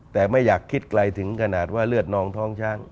แต่ไม่อยากคิดไกลถึงขนาดว่าเลือดนองท้องช้าง